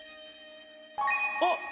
あっ！